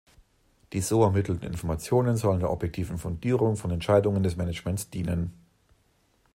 Die so ermittelten Informationen sollen der objektiven Fundierung von Entscheidungen des Managements dienen.